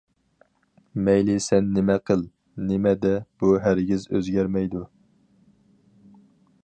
مەيلى سەن نېمە قىل، نېمە دە، بۇ ھەرگىز ئۆزگەرمەيدۇ.